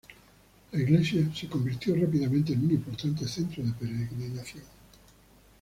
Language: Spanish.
La Iglesia se convirtió rápidamente en un importante centro de peregrinaje.